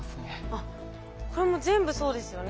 あっこれも全部そうですよね。